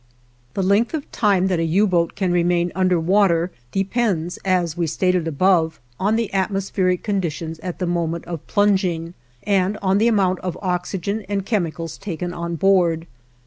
The length of time that a U boat can remain under water depends, as we stated above, on the atmospheric conditions at the moment of plunging, and on the amount of oxygen and chemicals taken on board.